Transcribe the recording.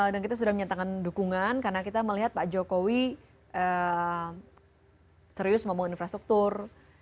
dan kita sudah menyatakan dukungan karena kita melihat pak jokowi serius ngomong infrastruktur